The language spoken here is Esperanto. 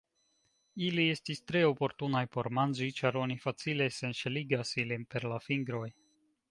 Ili estis tre oportunaj por manĝi, ĉar oni facile senŝeligas ilin per la fingroj.